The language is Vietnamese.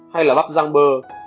hay là bắp răng bơ